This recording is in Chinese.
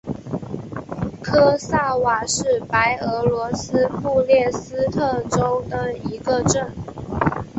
科萨瓦是白俄罗斯布列斯特州的一个镇。